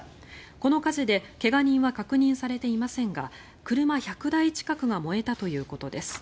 この火事で怪我人は確認されていませんが車１００台近くが燃えたということです。